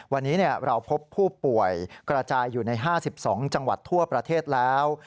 วันนี้เราพบผู้ป่วยกระจายอยู่ใน๕๒จังหวัดทั่วประเทศแล้ว